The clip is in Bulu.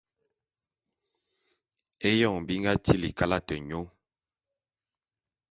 Éyoñ bi nga tili kalate nyô.